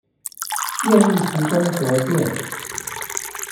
願意提供卓見